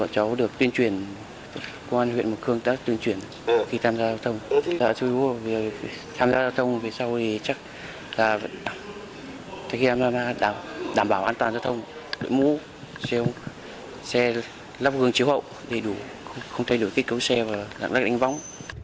khi tham gia giao thông tham gia giao thông về sau thì chắc là đảm bảo an toàn giao thông đổi mũ xe lắp gương chiếu hậu đầy đủ không thay đổi tích cấu xe và lãng đắc đánh vóng